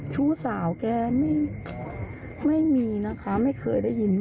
ชู้สาวแกไม่มีนะคะไม่เคยได้ยิน